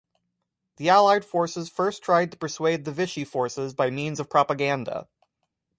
The Allied forces first tried to persuade the Vichy forces by means of propaganda.